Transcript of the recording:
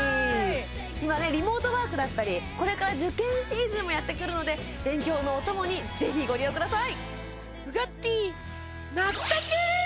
今ねリモートワークだったりこれから受験シーズンもやってくるので勉強のお供にぜひご利用ください